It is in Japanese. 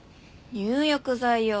入浴剤よ。